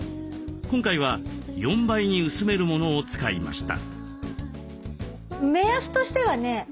今回は４倍に薄めるものを使いました。